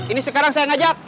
ini sekarang saya ngajak